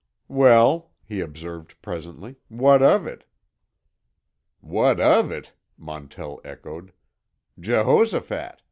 "Well," he observed presently, "what of it?" "What of it?" Montell echoed. "Jehosophat!